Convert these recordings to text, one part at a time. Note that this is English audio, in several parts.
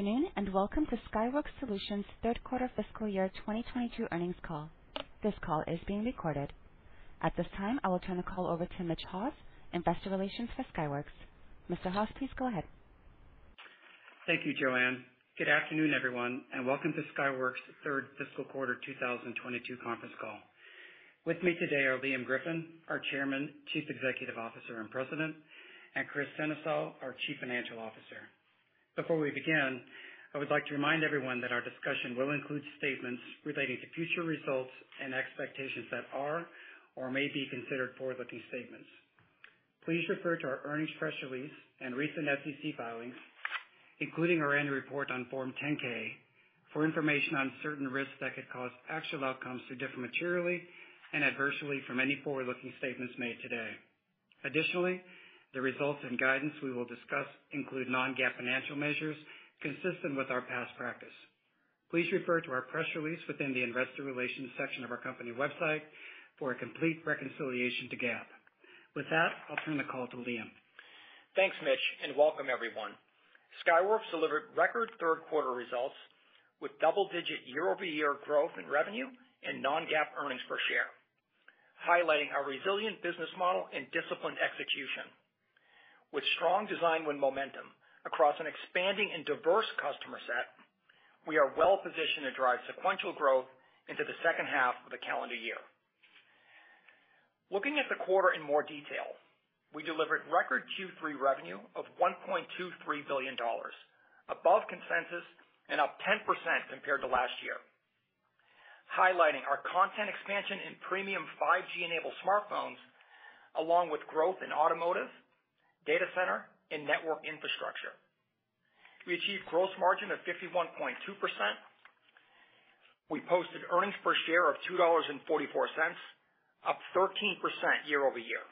Good afternoon, and welcome to Skyworks Solutions' Q3 fiscal year 2022 earnings call. This call is being recorded. At this time, I will turn the call over to Mitch Haws, Investor Relations for Skyworks. Mr. Haws, please go ahead. Thank you, Joanne. Good afternoon, everyone, and welcome to Skyworks' third fiscal quarter 2022 conference call. With me today are Liam Griffin, our Chairman, Chief Executive Officer, and President, and Kris Sennesael, our Chief Financial Officer. Before we begin, I would like to remind everyone that our discussion will include statements relating to future results and expectations that are or may be considered forward-looking statements. Please refer to our earnings press release and recent SEC filings, including our annual report on Form 10-K, for information on certain risks that could cause actual outcomes to differ materially and adversely from any forward-looking statements made today. Additionally, the results and guidance we will discuss include non-GAAP financial measures consistent with our past practice. Please refer to our press release within the investor relations section of our company website for a complete reconciliation to GAAP. With that, I'll turn the call to Liam. Thanks, Mitch, and welcome everyone. Skyworks delivered record Q3 results with double-digit year-over-year growth in revenue and non-GAAP earnings per share, highlighting our resilient business model and disciplined execution. With strong design win momentum across an expanding and diverse customer set, we are well-positioned to drive sequential growth into the second half of the calendar year. Looking at the quarter in more detail. We delivered record Q3 revenue of $1.23 billion, above consensus and up 10% compared to last year, highlighting our content expansion in premium 5G-enabled smartphones, along with growth in automotive, data center, and network infrastructure. We achieved gross margin of 51.2%. We posted earnings per share of $2.44, up 13% year-over-year.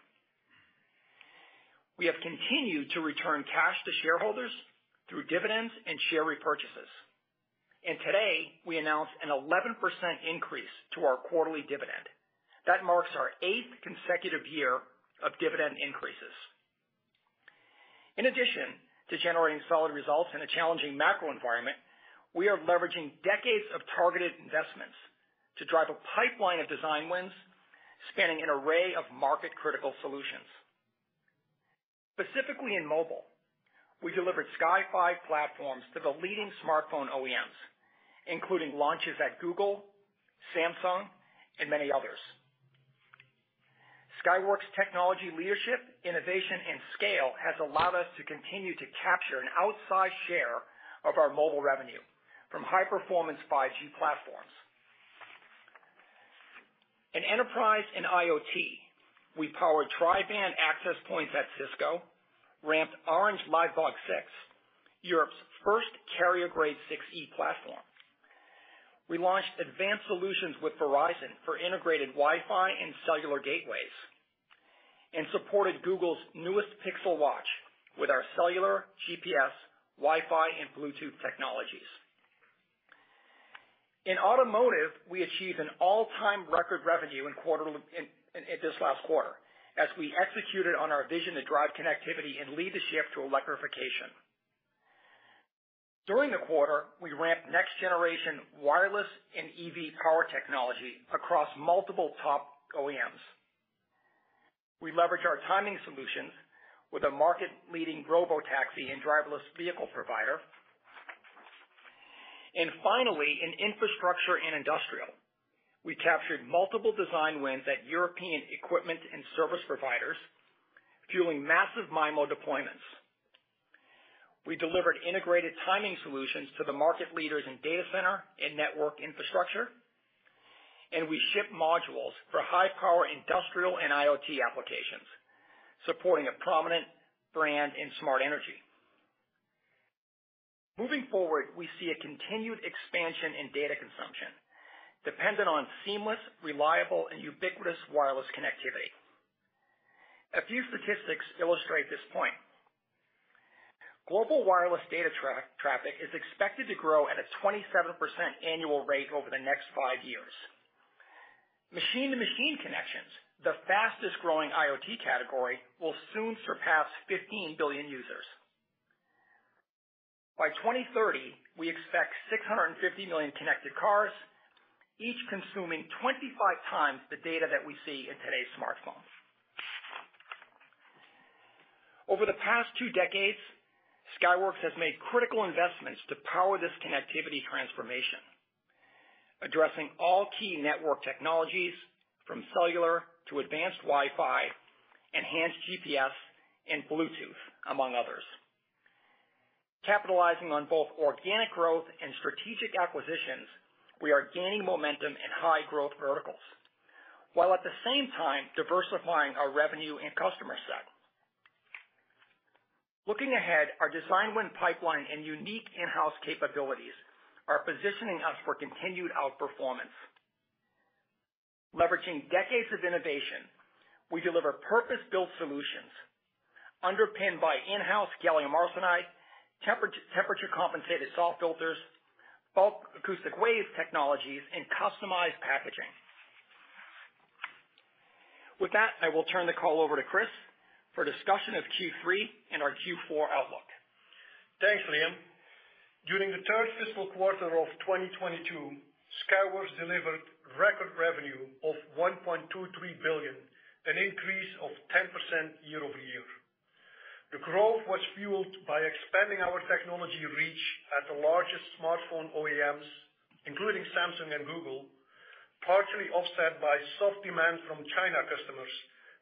We have continued to return cash to shareholders through dividends and share repurchases. Today, we announced an 11% increase to our quarterly dividend. That marks our eighth consecutive year of dividend increases. In addition to generating solid results in a challenging macro environment, we are leveraging decades of targeted investments to drive a pipeline of design wins spanning an array of market-critical solutions. Specifically, in mobile, we delivered Sky5 platforms to the leading smartphone OEMs, including launches at Google, Samsung, and many others. Skyworks technology leadership, innovation, and scale has allowed us to continue to capture an outsized share of our mobile revenue from high-performance 5G platforms. In enterprise and IoT, we powered tri-band access points at Cisco, ramped Orange Livebox 6, Europe's first carrier-grade Wi-Fi 6E platform. We launched advanced solutions with Verizon for integrated Wi-Fi and cellular gateways and supported Google's newest Pixel Watch with our cellular, GPS, Wi-Fi, and Bluetooth technologies. In automotive, we achieved an all-time record revenue in this last quarter as we executed on our vision to drive connectivity and lead the shift to electrification. During the quarter, we ramped next-generation wireless and EV power technology across multiple top OEMs. We leveraged our timing solutions with a market-leading robotaxi and driverless vehicle provider. Finally, in infrastructure and industrial, we captured multiple design wins at European equipment and service providers, fueling massive MIMO deployments. We delivered integrated timing solutions to the market leaders in data center and network infrastructure, and we shipped modules for high power industrial and IoT applications, supporting a prominent brand in smart energy. Moving forward, we see a continued expansion in data consumption dependent on seamless, reliable, and ubiquitous wireless connectivity. A few statistics illustrate this point. Global wireless data traffic is expected to grow at a 27% annual rate over the next five years. Machine-to-machine connections, the fastest growing IoT category, will soon surpass 15 billion users. By 2030, we expect 650 million connected cars, each consuming 25 times the data that we see in today's smartphones. Over the past two decades, Skyworks has made critical investments to power this connectivity transformation, addressing all key network technologies from cellular to advanced Wi-Fi, enhanced GPS, and Bluetooth, among others. Capitalizing on both organic growth and strategic acquisitions, we are gaining momentum in high growth verticals, while at the same time diversifying our revenue and customer set. Looking ahead, our design win pipeline and unique in-house capabilities are positioning us for continued outperformance. Leveraging decades of innovation, we deliver purpose-built solutions underpinned by in-house gallium arsenide, temperature compensated SAW filters, bulk acoustic wave technologies, and customized packaging. With that, I will turn the call over to Chris for discussion of Q3 and our Q4 outlook. Thanks, Liam. During the third fiscal quarter of 2022, Skyworks delivered record revenue of $1.23 billion, an increase of 10% year-over-year. The growth was fueled by expanding our technology reach at the largest smartphone OEMs, including Samsung and Google, partially offset by soft demand from China customers,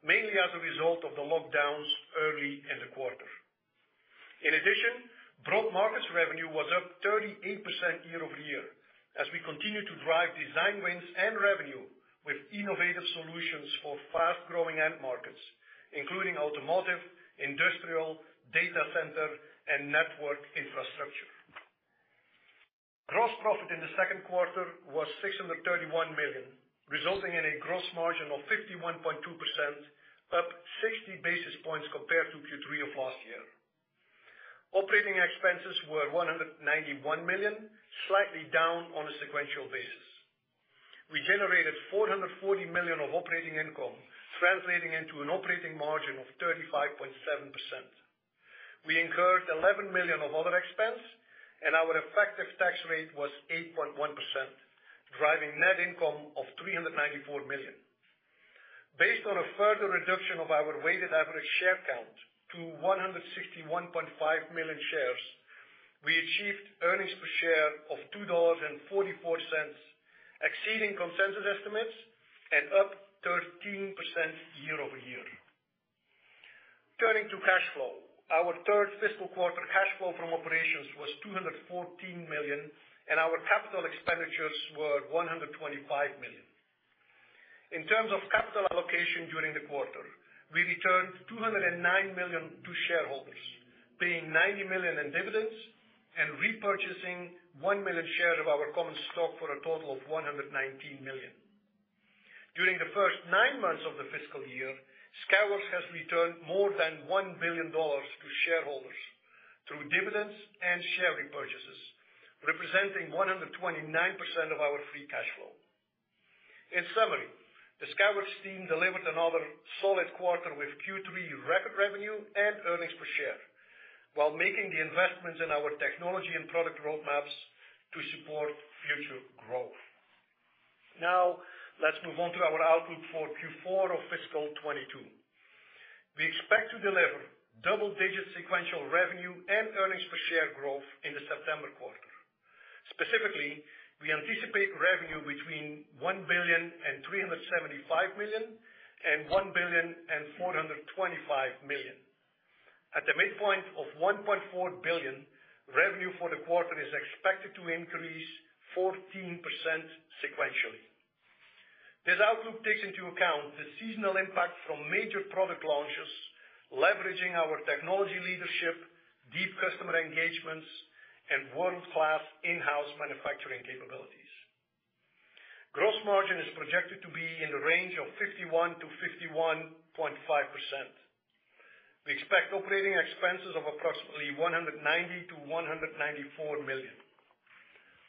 mainly as a result of the lockdowns early in the quarter. In addition, broad markets revenue was up 38% year-over-year as we continue to drive design wins and revenue with innovative solutions for fast-growing end markets, including automotive, industrial, data center, and network infrastructure. Gross profit in Q2 was $631 million, resulting in a gross margin of 51.2%, up 60 basis points compared to Q3 of last year. Operating expenses were $191 million, slightly down on a sequential basis. We generated $440 million of operating income, translating into an operating margin of 35.7%. We incurred $11 million of other expense, and our effective tax rate was 8.1%, driving net income of $394 million. Based on a further reduction of our weighted average share count to 161.5 million shares, we achieved earnings per share of $2.44, exceeding consensus estimates and up 13% year-over-year. Turning to cash flow, our third fiscal quarter cash flow from operations was $214 million, and our capital expenditures were $125 million. In terms of capital allocation during the quarter, we returned $209 million to shareholders, paying $90 million in dividends and repurchasing 1 million shares of our common stock for a total of $119 million. During the first nine months of the fiscal year, Skyworks has returned more than $1 billion to shareholders through dividends and share repurchases, representing 129% of our free cash flow. In summary, the Skyworks team delivered another solid quarter with Q3 record revenue and earnings per share, while making the investments in our technology and product roadmaps to support future growth. Now, let's move on to our outlook for Q4 of fiscal 2022. We expect to deliver double-digit sequential revenue and earnings per share growth in the September quarter. Specifically, we anticipate revenue between $1.375 billion and $1.425 billion. At the midpoint of $1.4 billion, revenue for the quarter is expected to increase 14% sequentially. This outlook takes into account the seasonal impact from major product launches, leveraging our technology leadership, deep customer engagements, and world-class in-house manufacturing capabilities. Gross margin is projected to be in the range of 51%-51.5%. We expect operating expenses of approximately $190-$194 million.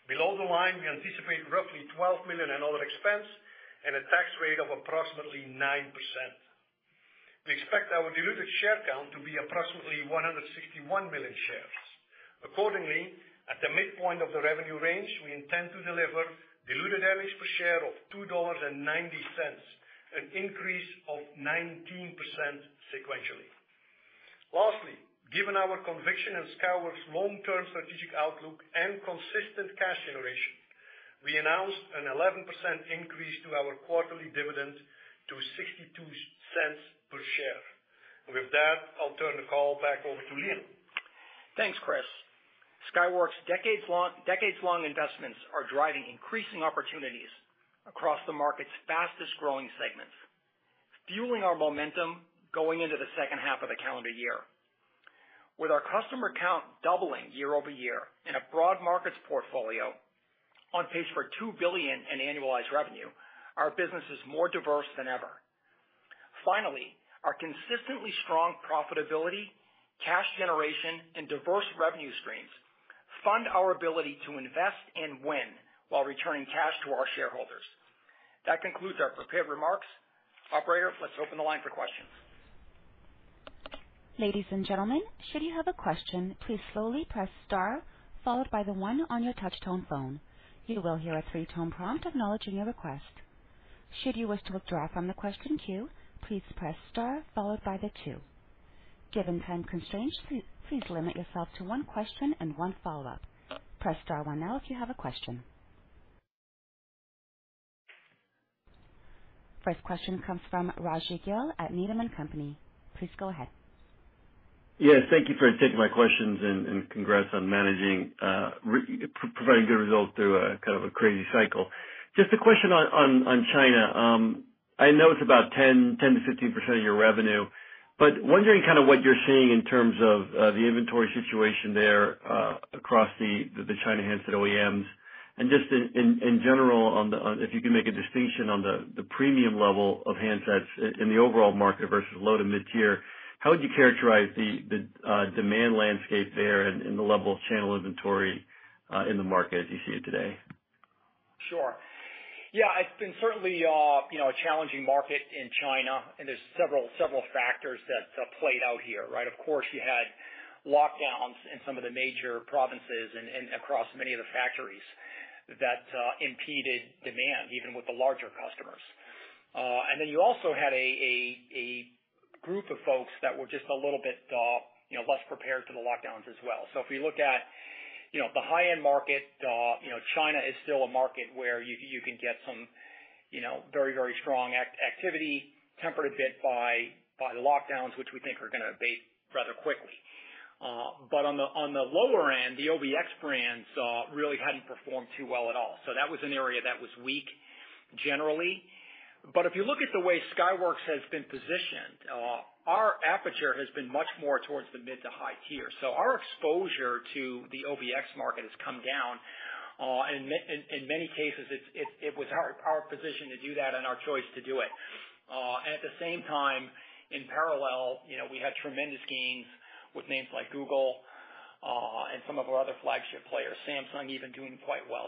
Below the line, we anticipate roughly $12 million in other expense and a tax rate of approximately 9%. We expect our diluted share count to be approximately 161 million shares. Accordingly, at the midpoint of the revenue range, we intend to deliver diluted earnings per share of $2.90, an increase of 19% sequentially. Lastly, given our conviction in Skyworks' long-term strategic outlook and consistent cash generation, we announced an 11% increase to our quarterly dividend to $0.62 per share. With that, I'll turn the call back over to Liam. Thanks, Kris. Skyworks' decades-long investments are driving increasing opportunities across the market's fastest-growing segments, fueling our momentum going into the second half of the calendar year. With our customer count doubling year-over-year in a broad markets portfolio on pace for $2 billion in annualized revenue, our business is more diverse than ever. Finally, our consistently strong profitability, cash generation, and diverse revenue streams fund our ability to invest and win while returning cash to our shareholders. That concludes our prepared remarks. Operator, let's open the line for questions. Ladies and gentlemen, should you have a question, please slowly press star followed by the one on your touch tone phone. You will hear a three-tone prompt acknowledging your request. Should you wish to withdraw from the question queue, please press star followed by the two. Given time constraints, please limit yourself to one question and one follow-up. Press star one now if you have a question. First question comes from Raji Gill at Needham & Company. Please go ahead. Thank you for taking my questions and congrats on providing good results through a crazy cycle. Just a question on China. I know it's about 10%-15% of your revenue, but wondering what you're seeing in terms of the inventory situation there across the China handset OEMs, and just in general if you can make a distinction on the premium level of handsets in the overall market versus low to mid-tier, how would you characterize the demand landscape there and the level of channel inventory in the market as you see it today? Sure. It's been certainly a challenging market in China, and there's several factors that played out here, right? Of course, you had lockdowns in some of the major provinces and across many of the factories that impeded demand, even with the larger customers. Then, you also had a group of folks that were just a little bit less prepared for the lockdowns as well. If we look at the high-end market, China is still a market where you can get some very strong activity tempered a bit by the lockdowns which we think are going to abate rather quickly, but on the lower end, the ODM brands really hadn't performed too well at all. That was an area that was weak generally. If you look at the way Skyworks has been positioned, our aperture has been much more towards the mid to high tier. Our exposure to the ODM market has come down. In many cases, it was our position to do that and our choice to do it. At the same time, in parallel, we had tremendous gains with names like Google, and some of our other flagship players, Samsung even doing quite well.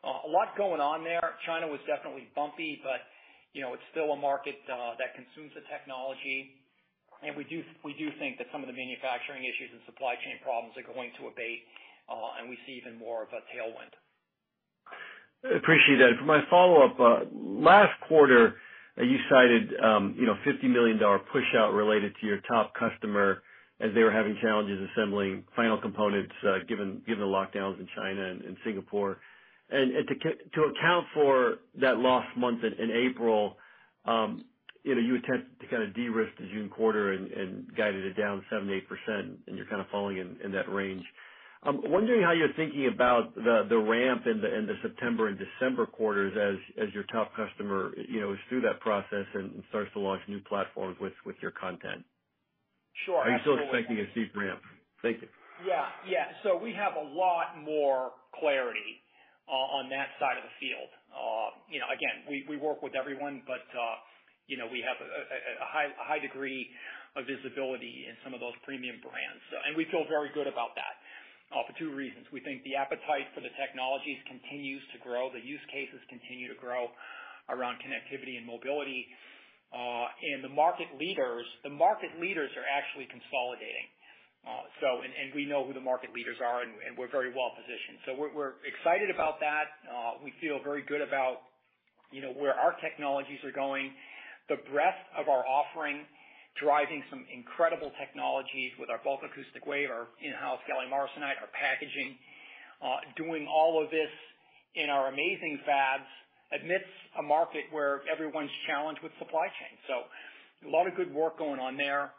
A lot going on there. China was definitely bumpy, but it's still a market that consumes the technology. We do think that some of the manufacturing issues and supply chain problems are going to abate, and we see even more of a tailwind. Appreciate that. For my follow-up, last quarter, you cited, $50 million push-out related to your top customer as they were having challenges assembling final components, given the lockdowns in China and Singapore. To account for that lost month in April, you attempted to de-risk the June quarter and guided it down 78%, and you're falling in that range. I'm wondering how you're thinking about the ramp in the September and December quarters as your top customer, is through that process and starts to launch new platforms with your content. Sure. Are you still expecting a steep ramp? Thank you. Yes. We have a lot more clarity on that side of the field. AGain, we work with everyone, but we have a high degree of visibility in some of those premium brands. We feel very good about that for two reasons. We think the appetite for the technologies continues to grow. The use cases continue to grow around connectivity and mobility. The market leaders are actually consolidating. We know who the market leaders are, and we're very well positioned. We're excited about that. We feel very good about where our technologies are going. The breadth of our offering, driving some incredible technologies with our bulk acoustic wave, our in-house gallium arsenide, our packaging, doing all of this in our amazing fabs amidst a market where everyone's challenged with supply chain. A lot of good work going on there,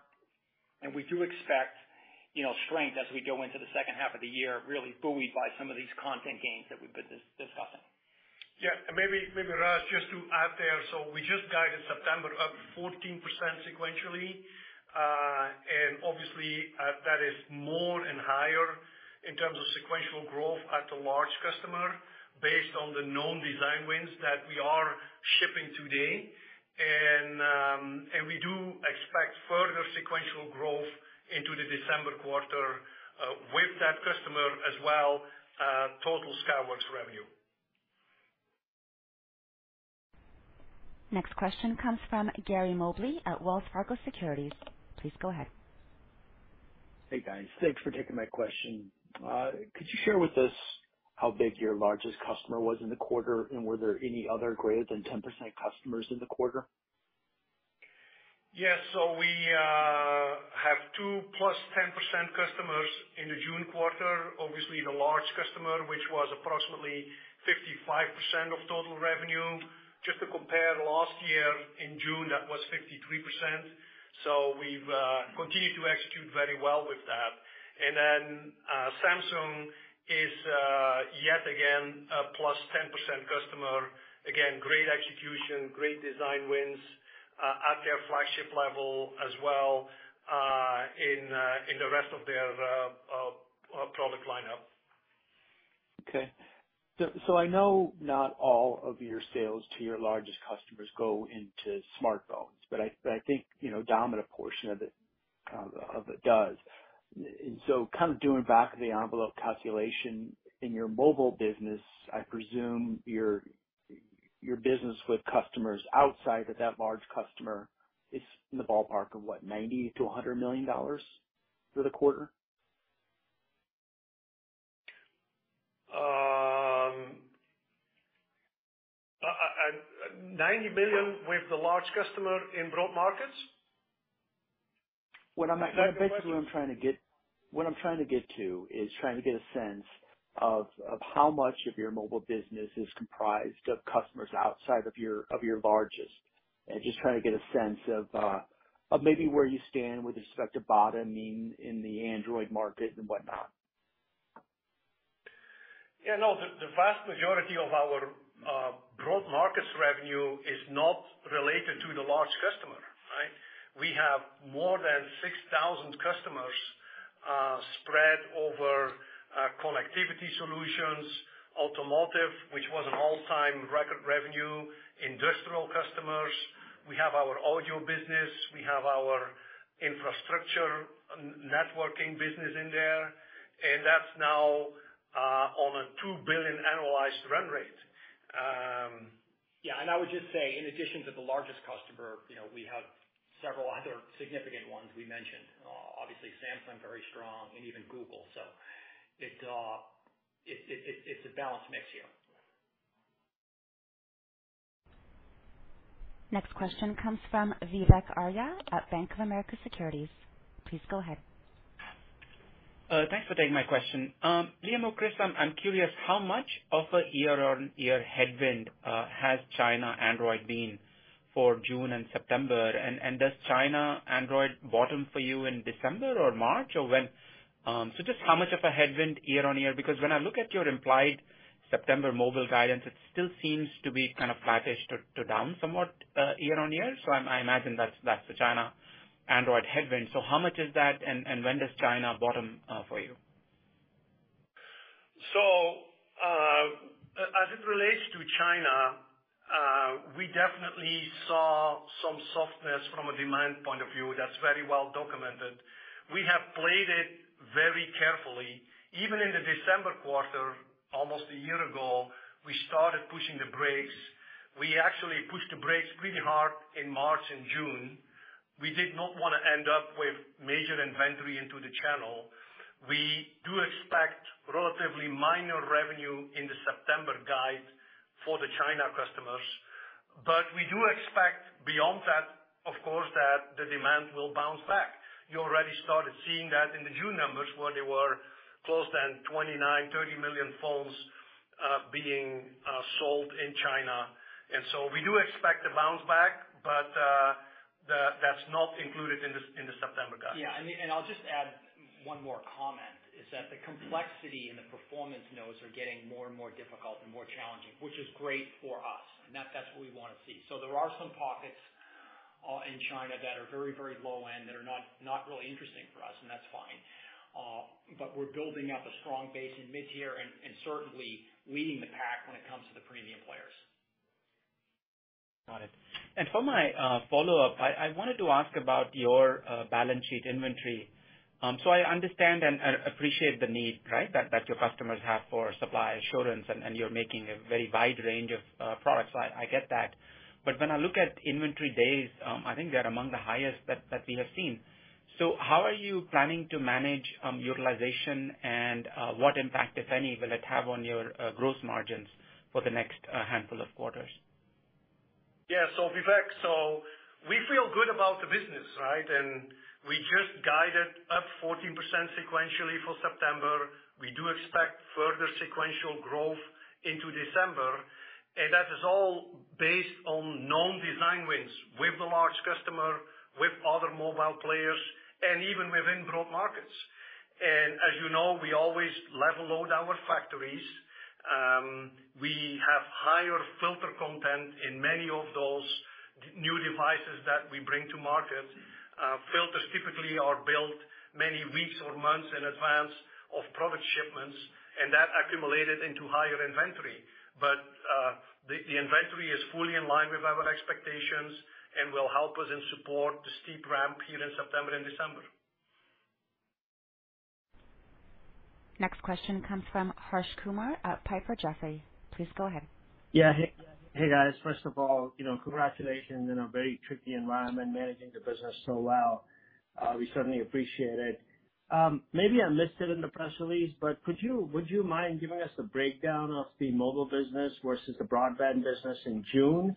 and we do expect strength as we go into the second half of the year, really buoyed by some of these content gains that we've been discussing. Yes. Maybe, Raj, just to add there, we just guided September up 14% sequentially. Obviously, that is more and higher in terms of sequential growth at the large customer based on the known design wins that we are shipping today. We do expect further sequential growth into the December quarter with that customer as well, total Skyworks revenue. Next question comes from Gary Mobley at Wells Fargo Securities. Please go ahead. Hey, guys. Thanks for taking my question. Could you share with us how big your largest customer was in the quarter, and were there any other greater than 10% customers in the quarter? We have two +10% customers in the June quarter. Obviously, the large customer, which was approximately 55% of total revenue. Just to compare last year in June, that was 53%. We've continued to execute very well with that. Samsung is yet again a +10% customer. Again, great execution, great design wins at their flagship level as well, in the rest of their product lineup. I know not all of your sales to your largest customers go into smartphones, but I think a dominant portion of it does. Doing back of the envelope calculation in your mobile business, I presume your business with customers outside of that large customer is in the ballpark of what, $90 million-$100 million for the quarter? $90 million with the large customer in broad markets? Basically, what I'm trying to get to is trying to get a sense of how much of your mobile business is comprised of customers outside of your largest. Just trying to get a sense of maybe where you stand with respect to bottom end in the Android market and whatnot. The vast majority of our broad markets revenue is not related to the large customer, right? We have more than 6,000 customers spread over connectivity solutions, automotive, which was an all-time record revenue, industrial customers. We have our audio business. We have our infrastructure and networking business in there. That's now on a $2 billion annualized run rate. Yes, I would just say in addition to the largest customer, we have several other significant ones we mentioned. Obviously Samsung, very strong and even Google. It's a balanced mix here. Next question comes from Vivek Arya at Bank of America Securities. Please go ahead. Thanks for taking my question. Liam or Kris, I'm curious, how much of a year-on-year headwind has China Android been for June and September? Does China Android bottom for you in December or March or when? Just how much of a headwind year-on-year? Because when I look at your implied September mobile guidance, it still seems to be flattish to down somewhat year-on-year. I imagine that's the China Android headwind. How much is that and when does China bottom for you? As it relates to China, we definitely saw some softness from a demand point of view that's very well documented. We have played it very carefully. Even in the December quarter, almost a year ago, we started pushing the brakes. We actually pushed the brakes pretty hard in March and June. We did not want to end up with major inventory into the channel. We do expect relatively minor revenue in the September guide for the China customers, but we do expect beyond that, of course, that the demand will bounce back. You already started seeing that in the June numbers where they were close to 29, 30 million phones sold in China. We do expect a bounce back, but that's not included in the September guide. I'll just add one more comment, is that the complexity in the performance nodes are getting more and more difficult and more challenging, which is great for us, and that's what we want to see. There are some pockets in China that are very, very low end that are not really interesting for us, and that's fine. But we're building up a strong base in mid-tier and certainly leading the pack when it comes to the premium players. Got it. For my follow-up, I wanted to ask about your balance sheet inventory. I understand and appreciate the need, right? That your customers have for supply assurance and you're making a very wide range of products. I get that. When I look at inventory days, I think they're among the highest that we have seen. How are you planning to manage utilization and what impact, if any, will it have on your gross margins for the next handful of quarters? Yes. Vivek, we feel good about the business, right? We just guided up 14% sequentially for September. We do expect further sequential growth into December, and that is all based on known design wins with the large customer, with other mobile players and even within broad markets. As we always level load our factories. We have higher filter content in many of those new devices that we bring to market. Filters typically are built many weeks or months in advance of product shipments, and that accumulated into higher inventory. The inventory is fully in line with our expectations and will help us and support the steep ramp here in September and December. Next question comes from Harsh Kumar at Piper Jaffray. Please go ahead. Yes. Hey, guys. First of all, congratulations in a very tricky environment, managing the business so well. We certainly appreciate it. Maybe I missed it in the press release, but would you mind giving us a breakdown of the mobile business versus the broadband business in June?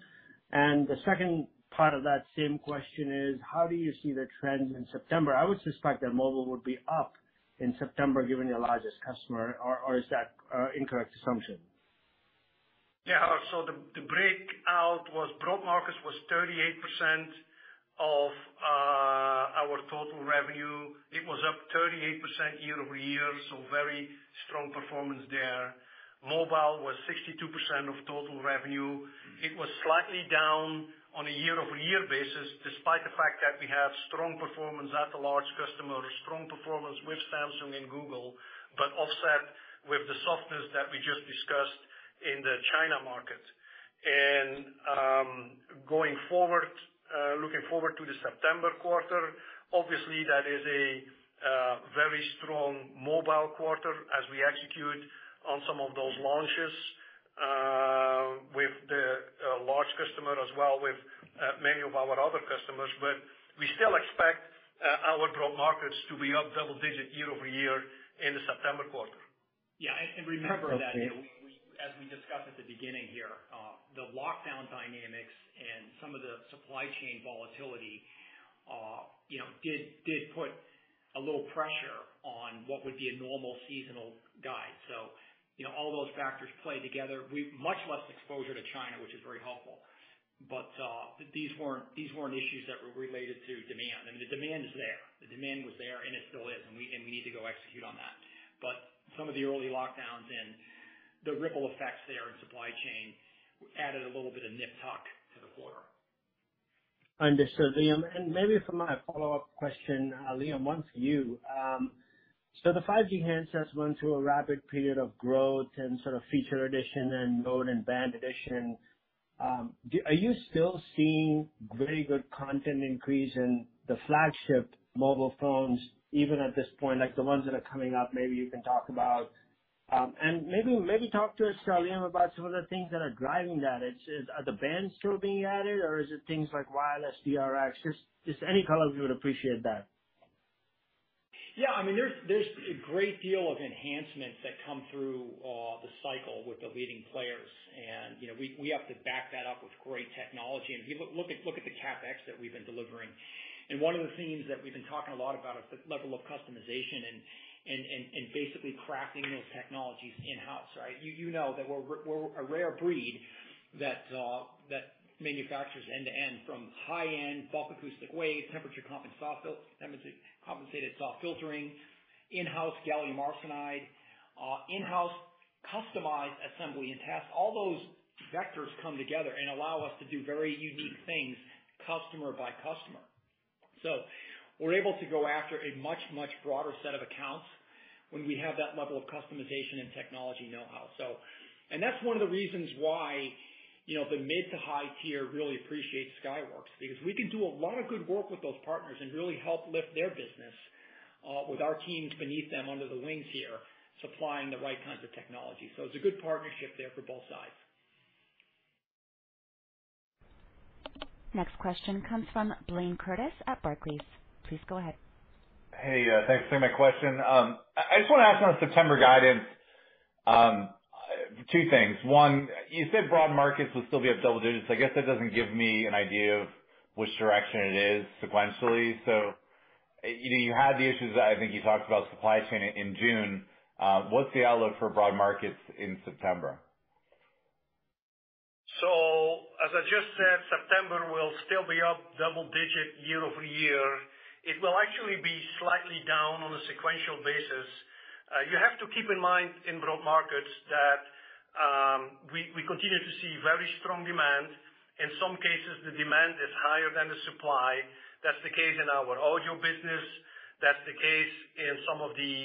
The second part of that same question is how do you see the trends in September? I would suspect that mobile would be up in September given your largest customer or is that incorrect assumption? Yes. The breakdown was Broad Markets was 38% of our total revenue. It was up 38% year-over-year, so very strong performance there. Mobile was 62% of total revenue. It was slightly down on a year-over-year basis, despite the fact that we have strong performance at the large customer, strong performance with Samsung and Google, but offset with the softness that we just discussed in the China market. Going forward, looking forward to the September quarter, obviously that is a very strong mobile quarter as we execute on some of those launches, with the large customer as well with many of our other customers. We still expect our broad markets to be up double-digit year-over-year in the September quarter. Yes. Remember that, we, as we discussed at the beginning here, the lockdown dynamics and some of the supply chain volatility, did put a little pressure on what would be a normal seasonal guide. all those factors played together. We have much less exposure to China, which is very helpful. These weren't issues that were related to demand. The demand is there, the demand was there and it still is. We need to go execute on that. Some of the early lockdowns and the ripple effects there in supply chain added a little bit of nip tuck to the quarter. Understood, Liam. Maybe for my follow-up question, Liam, one to you. The 5G handsets went through a rapid period of growth and feature addition and mode and band addition. Are you still seeing very good content increase in the flagship mobile phones even at this point, like the ones that are coming up, maybe you can talk about. Maybe talk to us, Salim, about some of the things that are driving that. Are the bands still being added or is it things like wireless DRX? Just any color, we would appreciate that. Yes. There's a great deal of enhancements that come through the cycle with the leading players. we have to back that up with great technology. If you look at the CapEx that we've been delivering. One of the themes that we've been talking a lot about is the level of customization and basically crafting those technologies in-house, right? You know that we're a rare breed that manufactures end-to-end from high-end bulk acoustic waves, temperature compensated SAW filtering, in-house gallium arsenide, in-house customized assembly and test. All those vectors come together and allow us to do very unique things customer by customer. We're able to go after a much broader set of accounts when we have that level of customization and technology know-how. That's one of the reasons why, the mid to high tier really appreciates Skyworks, because we can do a lot of good work with those partners and really help lift their business with our teams beneath them under the wings here, supplying the right kinds of technology. It's a good partnership there for both sides. Next question comes from Blayne Curtis at Barclays. Please go ahead. Hey, thanks for taking my question. I just want to ask on the September guidance, two things. One, you said broad markets will still be up double digits. I guess that doesn't give me an idea of which direction it is sequentially. you had the issues that I think you talked about supply chain in June. What's the outlook for broad markets in September? As I just said, September will still be up double-digit year-over-year. It will actually be slightly down on a sequential basis. You have to keep in mind in broad markets that we continue to see very strong demand. In some cases, the demand is higher than the supply. That's the case in our audio business. That's the case in some of the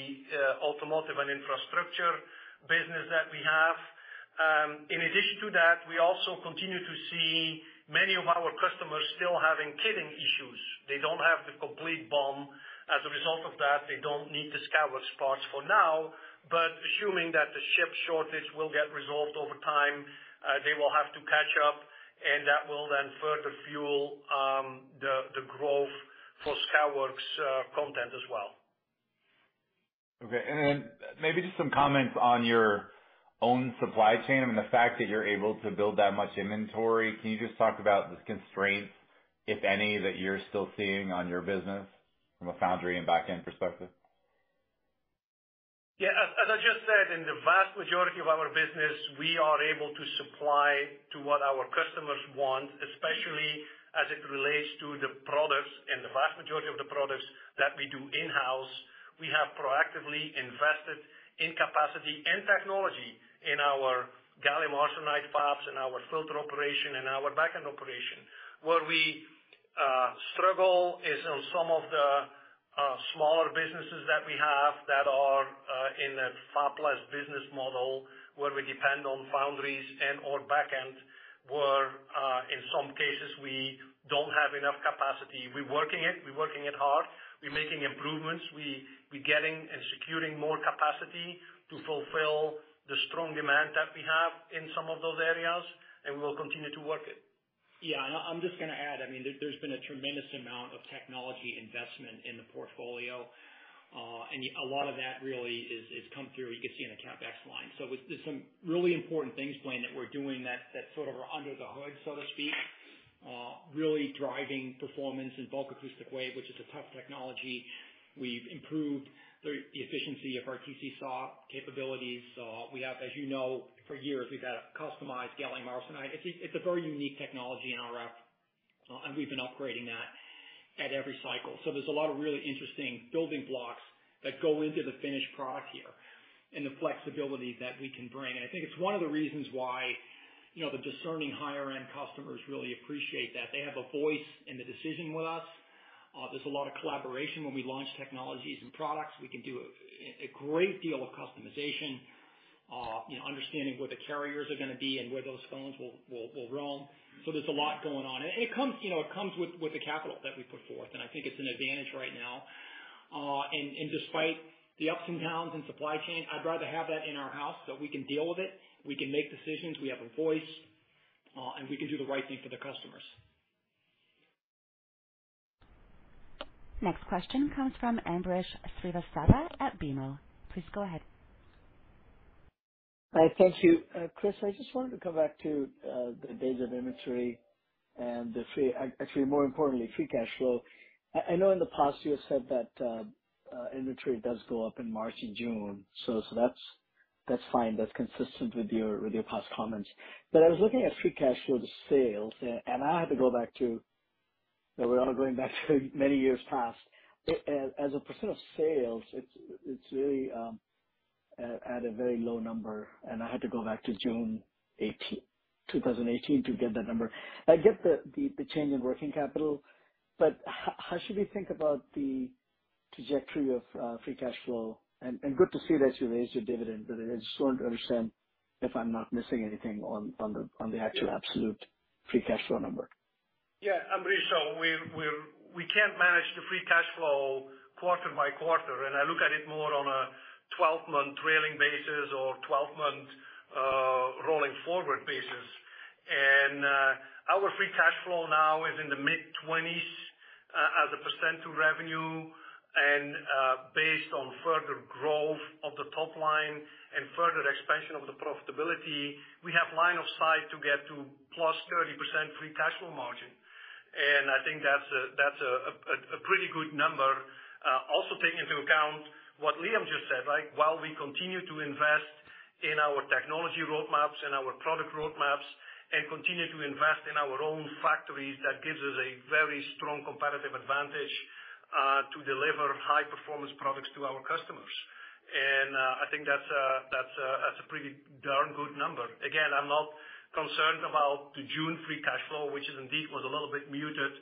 automotive and infrastructure business that we have. In addition to that, we also continue to see many of our customers still having kitting issues. They don't have the complete BOM. As a result of that, they don't need the Skyworks parts for now, but assuming that the chip shortage will get resolved over time, they will have to catch up, and that will then further fuel the growth for Skyworks content as well. Okay. Maybe just some comments on your own supply chain and the fact that you're able to build that much inventory. Can you just talk about the constraints, if any, that you're still seeing on your business from a foundry and back-end perspective? Yes. As I just said, in the vast majority of our business, we are able to supply to what our customers want, especially as it relates to the products and the vast majority of the products that we do in-house. We have proactively invested in capacity and technology in our gallium arsenide fabs, in our filter operation, in our back-end operation. Where we struggle is on some of the smaller businesses that we have that are in a fabless business model, where we depend on foundries and/or back-end, where in some cases we don't have enough capacity. We're working it. We're working it hard. We're making improvements. We getting and securing more capacity to fulfill the strong demand that we have in some of those areas, and we will continue to work it. Yes. I'm just going to add, there's been a tremendous amount of technology investment in the portfolio. A lot of that really is come through, you can see in the CapEx line. There's some really important things, Blayne, that we're doing that are under the hood, so to speak, really driving performance in bulk acoustic wave, which is a tough technology. We've improved the efficiency of our TC SAW capabilities. We have, as you know, for years we've had a customized gallium arsenide. It's a very unique technology in RF, and we've been upgrading that at every cycle. Thre's a lot of really interesting building blocks that go into the finished product here and the flexibility that we can bring. I think it's one of the reasons why the discerning higher end customers really appreciate that. They have a voice in the decision with us. There's a lot of collaboration when we launch technologies and products. We can do a great deal of customization, understanding where the carriers are going to be and where those phones will roam. There's a lot going on. It comes with the capital that we put forth, and I think it's an advantage right now. Despite the ups and downs in supply chain, I'd rather have that in our house, so we can deal with it, we can make decisions, we have a voice, and we can do the right thing for the customers. Next question comes from Ambrish Srivastava at BMO. Please go ahead. Hi. Thank you. Kris, I just wanted to come back to the days of inventory and actually, more importantly, free cash flow. I know in the past you have said that inventory does go up in March and June. That's fine. That's consistent with your past comments, but I was looking at free cash flow to sales, and I had to go back to... We're now going back to many years past. As a percent of sales, it's really at a very low number, and I had to go back to June 2018 to get that number. I get the change in working capital, but how should we think about the trajectory of free cash flow? Good to see that you raised your dividend, but I just want to understand if I'm not missing anything on the actual absolute free cash flow number. Yes, Ambrish. We can't manage the free cash flow quarter by quarter, and I look at it more on a 12-month trailing basis or 12-month rolling forward basis. Our free cash flow now is in the mid-20s as a percent to revenue. Based on further growth of the top line and further expansion of the profitability, we have line of sight to get to plus 30% free cash flow margin. I think that's a pretty good number. Also take into account what Liam just said, while we continue to invest in our technology roadmaps and our product roadmaps and continue to invest in our own factories, that gives us a very strong competitive advantage to deliver high performance products to our customers. I think that's a pretty darn good number. Again, I'm not concerned about the June free cash flow, which indeed was a little bit muted,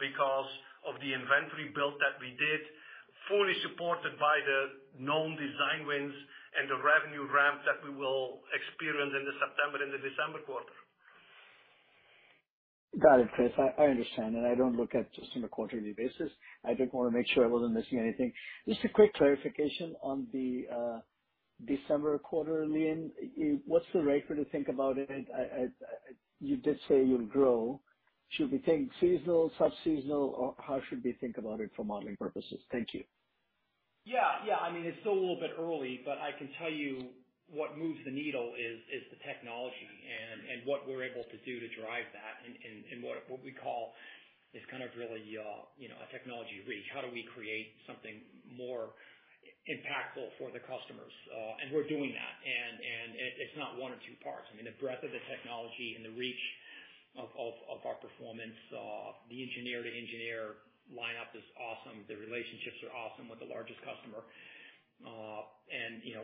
because of the inventory build that we did, fully supported by the known design wins and the revenue ramp that we will experience in the September and the December quarter. Got it, Kris. I understand, and I don't look at just on a quarterly basis. I did want to make sure I wasn't missing anything. Just a quick clarification on the December quarter, Liam. What's the right way to think about it? You did say you'll grow. Should we think seasonal, sub-seasonal, or how should we think about it for modeling purposes? Thank you. Yes. It's still a little bit early, but I can tell you what moves the needle is the technology and what we're able to do to drive that in what we call really a technology reach. How do we create something more impactful for the customers? We're doing that. It's not one or two parts. The breadth of the technology and the reach of our performance, the engineer to engineer lineup is awesome. The relationships are awesome with the largest customer.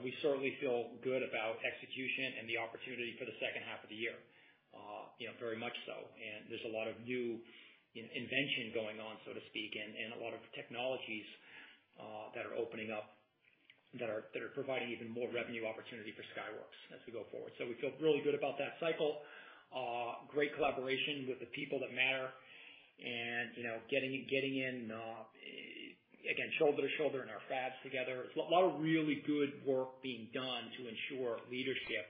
We certainly feel good about execution and the opportunity for the second half of the year, very much so. There's a lot of new invention going on, so to speak, and a lot of technologies that are opening up that are providing even more revenue opportunity for Skyworks as we go forward. We feel really good about that cycle. Great collaboration with the people that matter and, getting in again, shoulder to shoulder in our fabs together. It's a lot of really good work being done to ensure leadership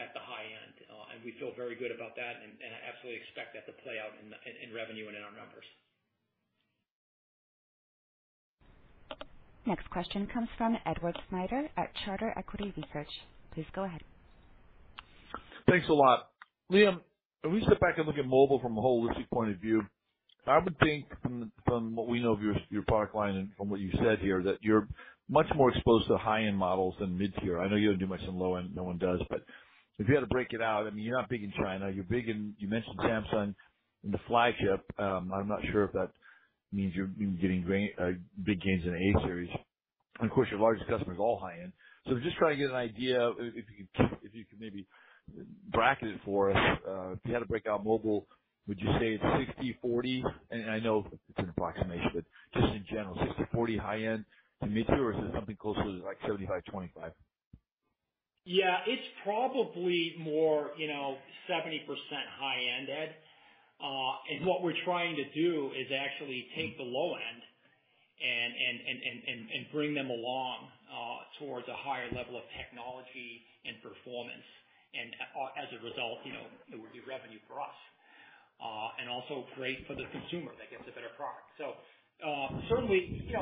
at the high end. We feel very good about that and absolutely expect that to play out in revenue and in our numbers. Next question comes from Edward Snyder at Charter Equity Research. Please go ahead. Thanks a lot. Liam, if we sit back and look at mobile from a holistic point of view, I would think from what we know of your product line and from what you said here, that you're much more exposed to high-end models than mid-tier. I know you don't do much in low-end, no one does. If you had to break it out, you're not big in China, you're big in, you mentioned Samsung in the flagship. I'm not sure if that means you're getting big gains in the A series. Of course, your largest customer is all high-end. Just trying to get an idea, if you could maybe bracket it for us. If you had to break out mobile, would you say it's 60/40? I know it's an approximation, but just in general, 60/40 high-end to mid-tier, or is it something closer to like 75/25? Yes, it's probably more 70% high-end. What we're trying to do is actually take the low end and bring them along towards a higher level of technology and performance. As a result, it would be revenue for us and also great for the consumer that gets a better product. Certainly,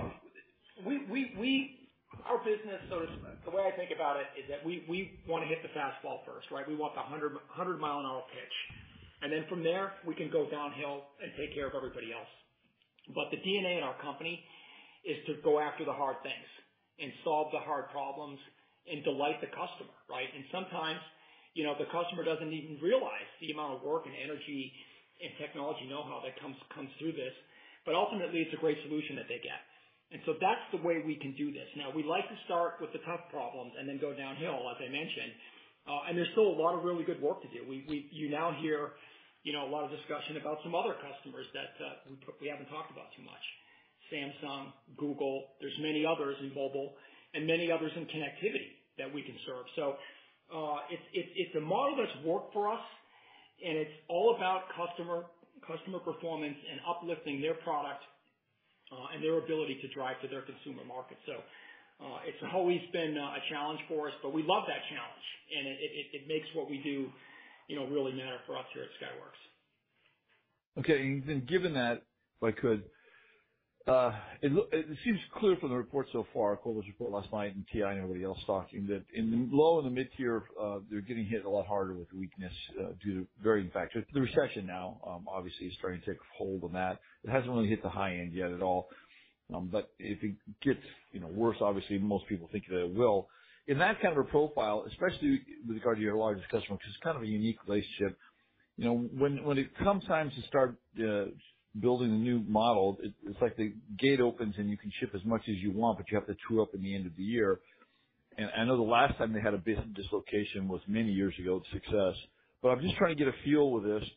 our business, so to speak, the way I think about it is that we want to hit the fastball first, right? We want the 100-mile-an-hour pitch, and then from there, we can go downhill and take care of everybody else. The DNA in our company is to go after the hard things and solve the hard problems and delight the customer, right? Sometimes, the customer doesn't even realize the amount of work and energy and technology know-how that comes through this, but ultimately it's a great solution that they get. That's the way we can do this. Now, we'd like to start with the tough problems and then go downhill, as I mentioned. There's still a lot of really good work to do. You now hear a lot of discussion about some other customers that we haven't talked about too much. Samsung, Google, there's many others in mobile and many others in connectivity that we can serve. It's a model that's worked for us, and it's all about customer performance and uplifting their product and their ability to drive to their consumer market. It's always been a challenge for us, but we love that challenge and it makes what we do, really matter for us here at Skyworks. Okay. Given that, if I could, it seems clear from the report so far, Qualcomm's report last night and TI and everybody else talking that in the low and the mid-tier, they're getting hit a lot harder with weakness due to varying factors. The recession now obviously is starting to take a hold on that. It hasn't really hit the high end yet at all. If it gets worse, obviously, most people think that it will. In that a profile, especially with regard to your largest customer, which is a unique relationship. When it comes time to start building the new model, it's like the gate opens and you can ship as much as you want, but you have to true-up in the end of the year. I know the last time they had a business dislocation was many years ago with success. I'm just trying to get a feel with this.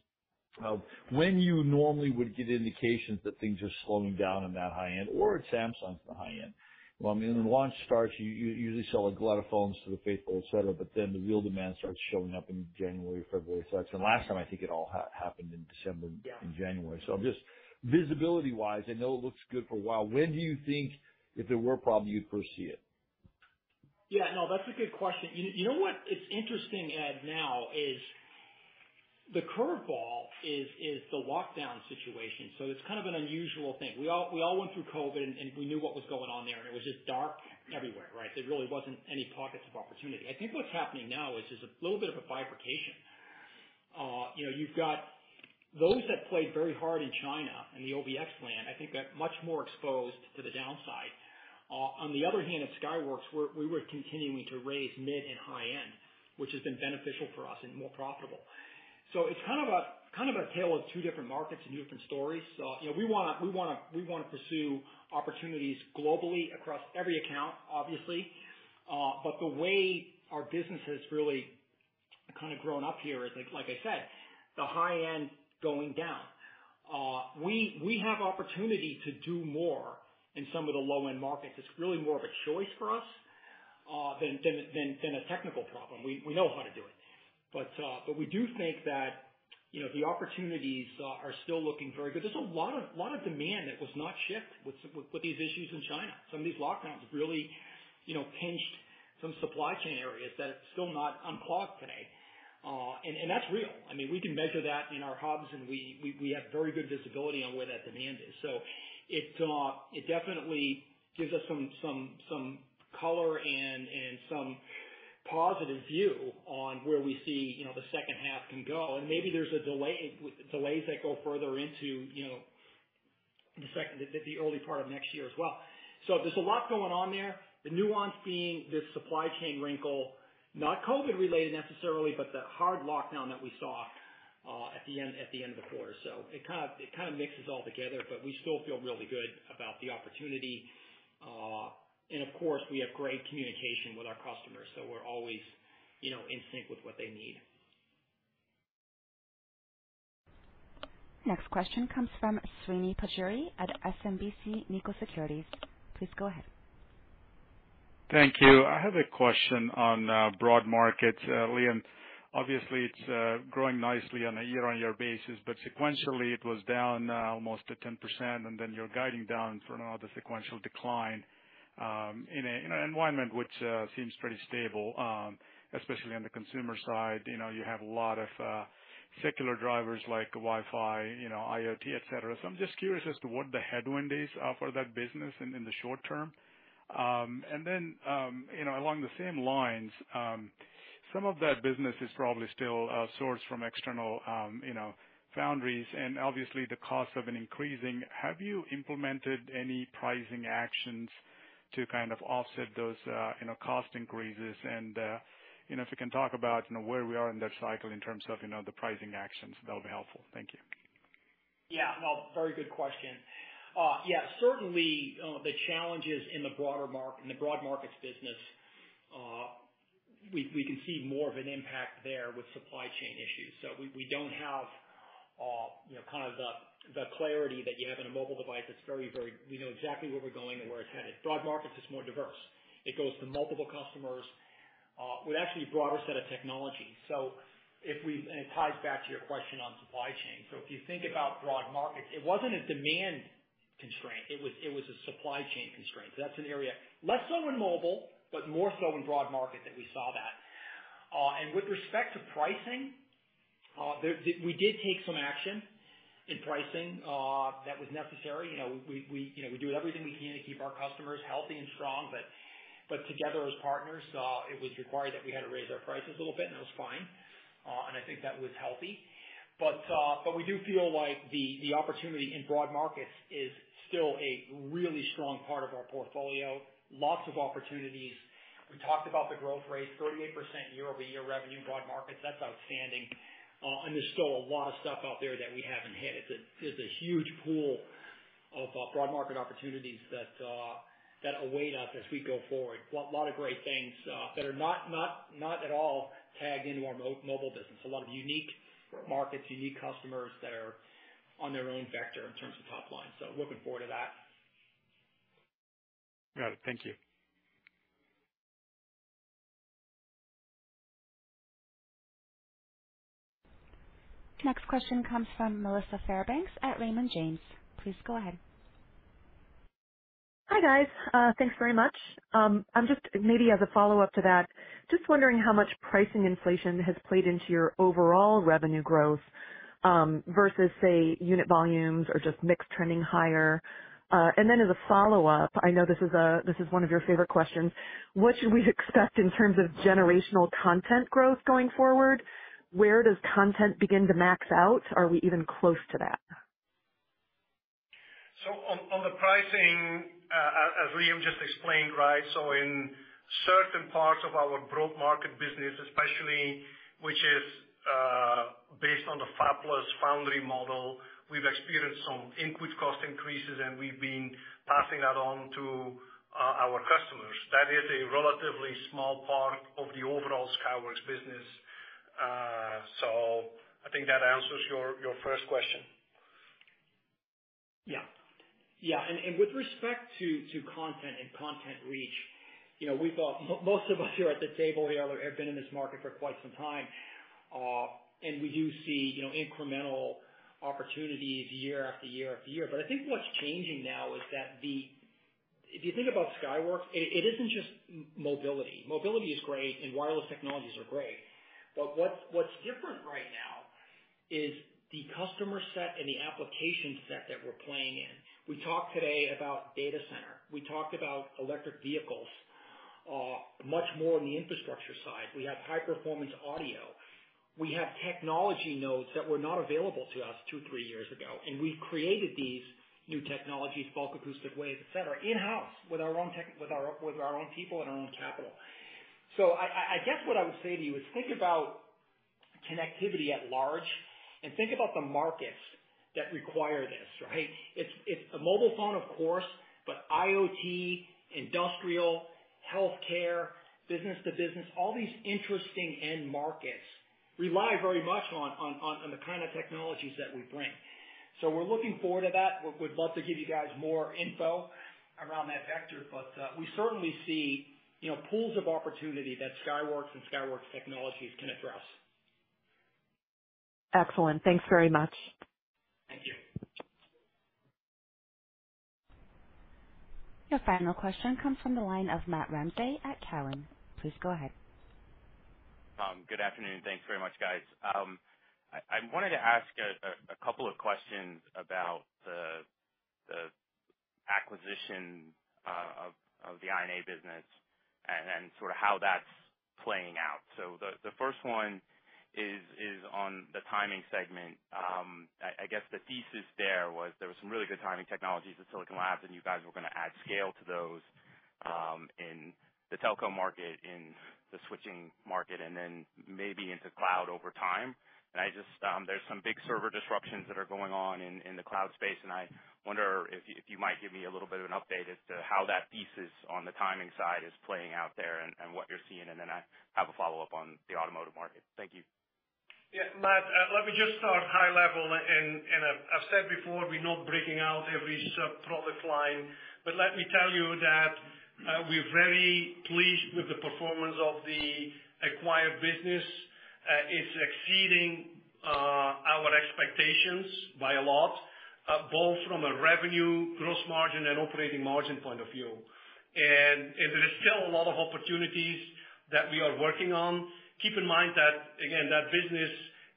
When you normally would get indications that things are slowing down on that high end or at Samsung for high end. Well, when the launch starts, you usually sell a lot of phones to the faithful, et cetera, but then the real demand starts showing up in January, February, such. Last time, I think it all happened in December and January. Just visibility-wise, I know it looks good for a while. When do you think if there were a problem you'd foresee it? Yes, no, that's a good question. You know what is interesting, Ed, now is the curveball is the lockdown situation. It's an unusual thing. We all went through COVID and we knew what was going on there, and it was just dark everywhere, right? There really wasn't any pockets of opportunity. I think what's happening now is just a little bit of a bifurcation. You've got those that played very hard in China, in the ODM plan. I think got much more exposed to the downside. On the other hand, at Skyworks, we were continuing to raise mid and high end, which has been beneficial for us and more profitable. It's a tale of two different markets and different stories. We want to pursue opportunities globally across every account, obviously. The way our business has really grown up here is like I said, the high end going down. We have opportunity to do more in some of the low-end markets. It's really more of a choice for us than a technical problem. We know how to do it. We do think that the opportunities are still looking very good. There's a lot of demand that was not shipped with these issues in China. Some of these lockdowns really pinched some supply chain areas that it's still not unclogged today. That's real. We can measure that in our hubs and we have very good visibility on where that demand is. It definitely gives us some color and some positive view on where we see, the second half can go. Maybe there's delays that go further into the early part of next year as well. There's a lot going on there. The nuance being this supply chain wrinkle, not COVID related necessarily, but the hard lockdown that we saw at the end of the quarter. It mixes all together, but we still feel really good about the opportunity. Of course, we have great communication with our customers, so we're always in sync with what they need. Next question comes from Srini Pajjuri at SMBC Nikko Securities. Please go ahead. Thank you. I have a question on broad markets. Liam, obviously it's growing nicely on a year-on-year basis, but sequentially it was down almost at 10%, and then you're guiding down for another sequential decline in an environment which seems pretty stable, especially on the consumer side. You have a lot of secular drivers like Wi-Fi, IoT, etc. I'm just curious as to what the headwind is for that business in the short term. Then, along the same lines, some of that business is probably still sourced from external foundries and obviously the costs have been increasing. Have you implemented any pricing actions to offset those, cost increases? If you can talk about where we are in that cycle in terms of, the pricing actions, that would be helpful. Thank you. Yes. Well, very good question. Certainly, the challenges in the broad markets business, we can see more of an impact there with supply chain issues. We don't have the clarity that you have in a mobile device. We know exactly where we're going and where it's headed. Broad markets is more diverse. It goes to multiple customers with actually a broader set of technologies. It ties back to your question on supply chain. If you think about broad markets, it wasn't a demand constraint, it was a supply chain constraint. That's an area less so in mobile, but more so in broad market that we saw that. With respect to pricing, we did take some action in pricing that was necessary. We do everything we can to keep our customers healthy and strong. Together, as partners, it was required that we had to raise our prices a little bit, and that was fine. I think that was healthy. We do feel like the opportunity in broad markets is still a really strong part of our portfolio. Lots of opportunities. We talked about the growth rate, 38% year-over-year revenue in broad markets. That's outstanding. There's still a lot of stuff out there that we haven't hit. It's a huge pool of broad market opportunities that await us as we go forward. A lot of great things that are not at all tagged into our mobile business. A lot of unique markets, unique customers that are on their own vector in terms of top line. Looking forward to that. Got it. Thank you. Next question comes from Melissa Fairbanks at Raymond James. Please go ahead. Hi, guys. Thanks very much. I'm just maybe as a follow-up to that, just wondering how much pricing inflation has played into your overall revenue growth, versus, say, unit volumes or just mix trending higher. As a follow-up, I know this is one of your favorite questions. What should we expect in terms of generational content growth going forward? Where does content begin to max out? Are we even close to that? The pricing, as Liam just explained, in certain parts of our broad market business especially, which is based on the fabless foundry model, we've experienced some input cost increases, and we've been passing that on to our customers. That is a relatively small part of the overall Skyworks business. I think that answers your first question. With respect to content and content reach, most of us here at the table have been in this market for quite some time. We do see incremental opportunities year after year-after-year. I think what's changing now is that if you think about Skyworks, it isn't just mobility. Mobility is great and wireless technologies are great, but what's different right now is the customer set and the application set that we're playing in. We talked today about data center. We talked about electric vehicles, much more on the infrastructure side. We have high performance audio. We have technology nodes that were not available to us two or three years ago, and we've created these new technologies, bulk acoustic waves, etc., in-house with our own people and our own capital. I guess what I would say to you is think about connectivity at large and think about the markets that require this, right? It's a mobile phone, of course, but IoT, industrial, healthcare, business to business, all these interesting end markets rely very much on the technologies that we bring. We're looking forward to that. We'd love to give you guys more info around that vector, but we certainly see, pools of opportunity that Skyworks and Skyworks technologies can address. Excellent. Thanks very much. Thank you. Your final question comes from the line of Matt Ramsay at Cowen. Please go ahead. Good afternoon. Thanks very much, guys. I wanted to ask a couple of questions about the acquisition of the I&A business and how that's playing out. The first one is on the timing segment. I guess the thesis there was some really good timing technologies at Silicon Labs, and you guys were going to add scale to those in the telco market, in the switching market, and then maybe into cloud over time. I just, there's some big server disruptions that are going on in the cloud space, and I wonder if you might give me a little bit of an update as to how that thesis on the timing side is playing out there and what you're seeing. I have a follow-up on the automotive market. Thank you. Yes. Matt, let me just start high level. I've said before, we're not breaking out every sub product line. Let me tell you that we're very pleased with the performance of the acquired business. It's exceeding our expectations by a lot, both from a revenue, gross margin, and operating margin point of view. There is still a lot of opportunities that we are working on. Keep in mind that, again, that business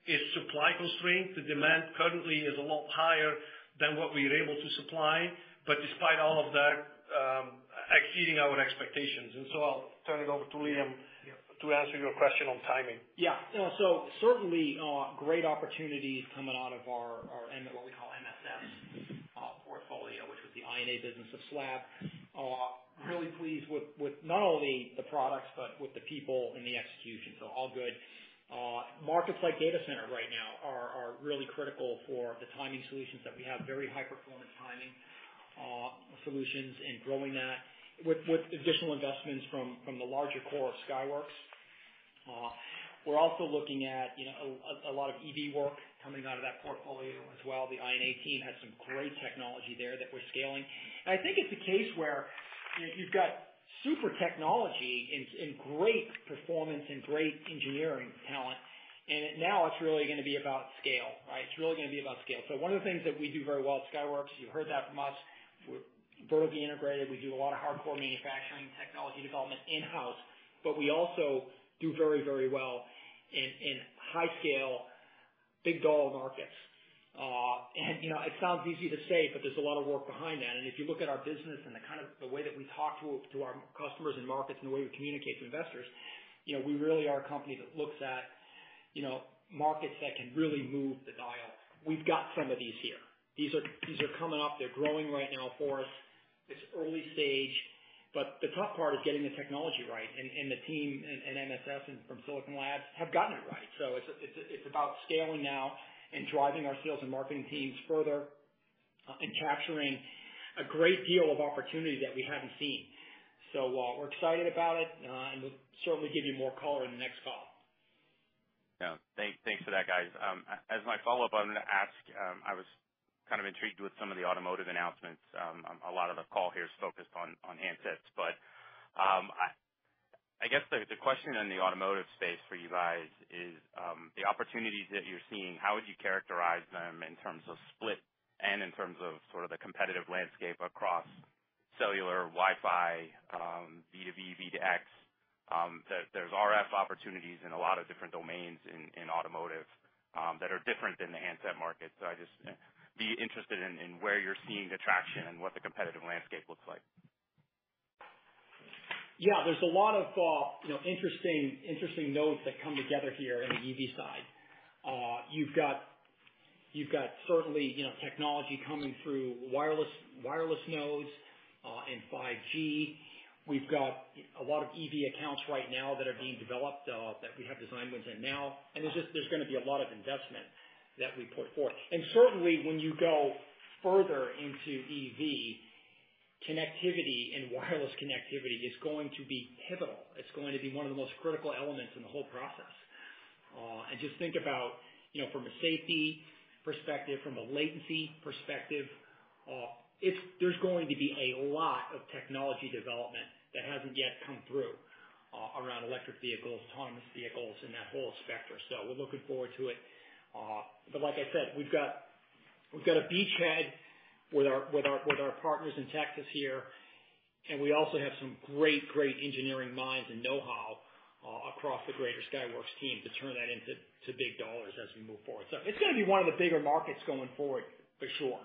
is supply constrained. The demand currently is a lot higher than what we're able to supply. Despite all of that, exceeding our expectations. I'll turn it over to Liam to answer your question on timing. Yes. Certainly, great opportunities coming out of our end, what we call MSS portfolio, which was the I&A business of SLAB. Really pleased with not only the products but with the people and the execution. All good. Markets like data center right now are really critical for the timing solutions that we have, very high performance timing solutions and growing that with additional investments from the larger core of Skyworks. We're also looking at, a lot of EV work coming out of that portfolio as well. The I&A team has some great technology there that we're scaling. I think it's a case where you've got super technology and great performance and great engineering talent, and now it's really going to be about scale, right? It's really going to be about scale. One of the things that we do very well at Skyworks, you heard that from us, we're vertically integrated. We do a lot of hardcore manufacturing technology development in-house, but we also do very, very well in high scale, big dollar markets. it sounds easy to say, but there's a lot of work behind that. If you look at our business and the way that we talk to our customers and markets and the way we communicate to investors, we really are a company that looks at markets that can really move the dial. We've got some of these here. These are coming up. They're growing right now for us. It's early stage, but the tough part is getting the technology right. The team at MSS and from Silicon Labs have gotten it right. It's about scaling now and driving our sales and marketing teams further, and capturing a great deal of opportunity that we haven't seen. We're excited about it, and we'll certainly give you more color in the next call. Yes. Thanks for that, guys. As my follow-up, I'm going to ask, I was intrigued with some of the automotive announcements. A lot of the call here is focused on handsets. I guess the question in the automotive space for you guys is the opportunities that you're seeing, how would you characterize them in terms of split and in terms of the competitive landscape across cellular, Wi-Fi, V2V, V2X? There's RF opportunities in a lot of different domains in automotive that are different than the handset market. I'd just be interested in where you're seeing the traction and what the competitive landscape looks like. Yes, there's a lot of interesting nodes that come together here in the EV side. You've got certainly technology coming through wireless nodes, and 5G. We've got a lot of EV accounts right now that are being developed, that we have design wins in now. There's going to be a lot of investment that we put forth. Certainly, when you go further into EV, connectivity and wireless connectivity is going to be pivotal. It's going to be one of the most critical elements in the whole process. Just think about, from a safety perspective, from a latency perspective, there's going to be a lot of technology development that hasn't yet come through around electric vehicles, autonomous vehicles, and that whole spectrum. We're looking forward to it. Like I said, we've got a beachhead with our partners in Texas here, and we also have some great engineering minds and know-how across the greater Skyworks team to turn that into big dollars as we move forward. It's going to be one of the bigger markets going forward for sure.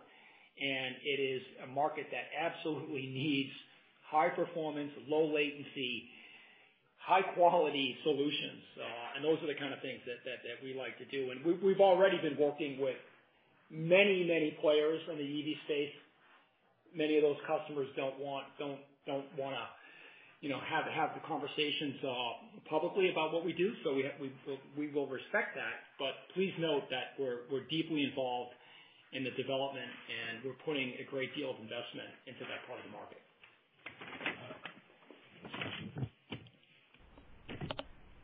It is a market that absolutely needs high performance, low latency, high quality solutions. Those are the things that we like to do. We've already been working with many players in the EV space. Many of those customers don't want to have the conversations publicly about what we do. We will respect that. Please note that we're deeply involved in the development, and we're putting a great deal of investment into that part of the market.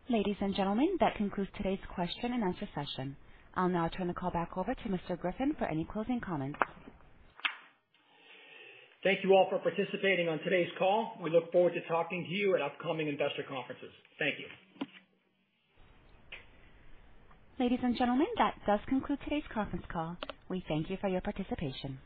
Ladies and gentlemen, that concludes today's question-and-answer session. I'll now turn the call back over to Mr. Griffin for any closing comments. Thank you all for participating on today's call. We look forward to talking to you at upcoming investor conferences. Thank you. Ladies and gentlemen, that does conclude today's conference call. We thank you for your participation.